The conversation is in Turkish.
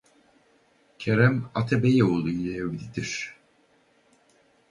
Kerem Atabeyoğlu ile evlidir.